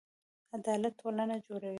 عدالت ټولنه جوړوي